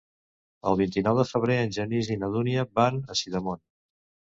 El vint-i-nou de febrer en Genís i na Dúnia van a Sidamon.